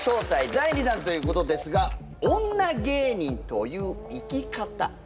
第２弾ということですが女芸人という生き方。